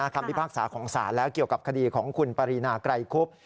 พิพากษาของศาลแล้วเกี่ยวกับคดีของคุณปรีนาไกรคุบ